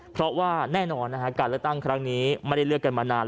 เพราะว่าแน่นอนนะฮะการเลือกตั้งครั้งนี้ไม่ได้เลือกกันมานาน